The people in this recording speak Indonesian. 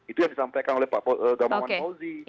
itu yang disampaikan oleh pak damawan mauzi